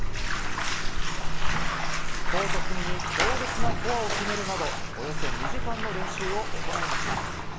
コート隅に強烈なフォアを決めるなどおよそ２時間の練習を行いました。